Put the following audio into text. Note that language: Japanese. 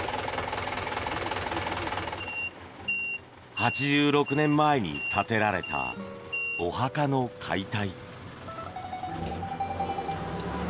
８６年前に建てられたお墓の解体。